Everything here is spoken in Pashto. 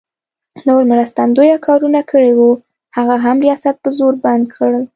نور مرستندویه کارونه کړي وو، هغه هم ریاست په زور بند کړل.